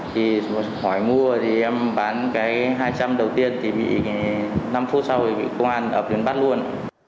thì hỏi mua thì em bán cái hai trăm linh đầu tiên thì bị năm phút sau thì bị công an ập đến bắt luôn